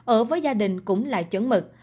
ở với gia đình cũng là chấn mực